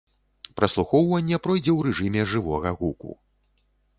Праслухоўванне пройдзе ў рэжыме жывога гуку.